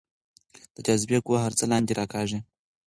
د جاذبې قوه هر څه لاندې راکاږي.